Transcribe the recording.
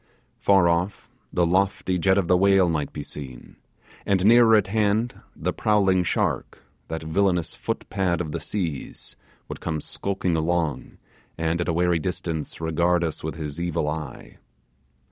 Far off, the lofty jet of the whale might be seen, and nearer at hand the prowling shark, that villainous footpad of the seas, would come skulking along, and, at a wary distance, regard us with his evil eye.